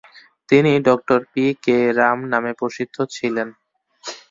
তিনি doctor P. K. Roy নামে প্রসিদ্ধ ছিলেন।